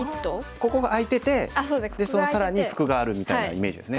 ここが開いてて更に服があるみたいなイメージですね。